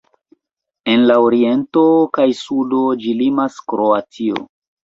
En la oriento kaj sudo ĝi limas Kroatio.